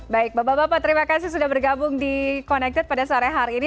baik bapak bapak terima kasih sudah bergabung di connected pada sore hari ini